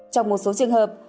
trong một số trường hợp